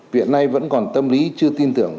việc này vẫn còn tâm lý chưa tin tưởng